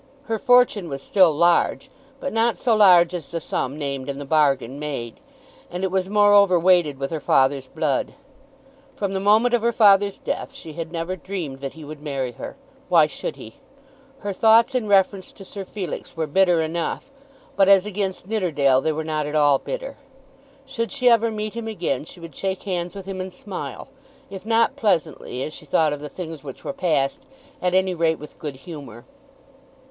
Her fortune was still large, but not so large as the sum named in the bargain made. And it was moreover weighted with her father's blood. From the moment of her father's death she had never dreamed that he would marry her. Why should he? Her thoughts in reference to Sir Felix were bitter enough; but as against Nidderdale they were not at all bitter. Should she ever meet him again she would shake hands with him and smile, if not pleasantly as she thought of the things which were past, at any rate with good humour.